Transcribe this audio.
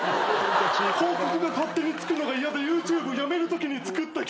広告が勝手につくのが嫌でＹｏｕＴｕｂｅやめるときに作った曲。